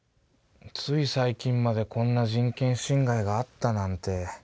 つい最近までこんな人権侵害があったなんて。